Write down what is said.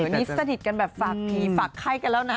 วันนี้สถิตย์กันแบบฝากผีฝากไข้กันแล้วนะ